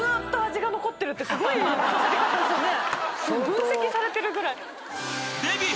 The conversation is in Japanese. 分析されてるぐらい。